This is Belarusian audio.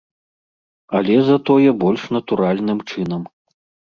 Але затое больш натуральным чынам.